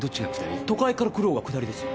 都会から来るほうが下りですよ。